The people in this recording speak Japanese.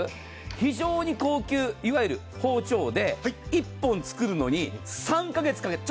非常に高級、いわゆる包丁で１本作るのに３か月かけて。